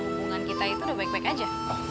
hubungan kita itu udah baik baik aja